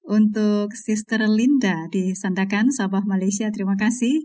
untuk sister linda di sandakan sabah malaysia terima kasih